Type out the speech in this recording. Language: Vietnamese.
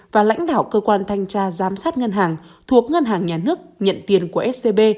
và lãnh đạo cơ quan thanh tra giám sát ngân hàng thuộc ngân hàng nhà nước nhận tiền của scb